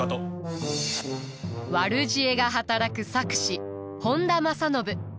悪知恵が働く策士本多正信。